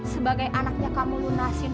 sebagai anaknya kamu lunasin